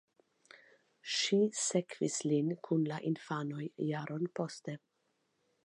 Ŝi sekvis lin kun la infanoj jaron poste.